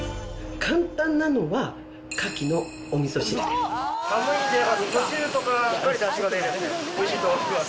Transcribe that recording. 簡単なのは、カキのおみそ汁です。